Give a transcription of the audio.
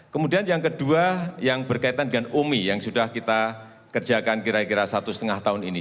kemudian yang kedua yang berkaitan dengan umi yang sudah kita kerjakan kira kira satu setengah tahun ini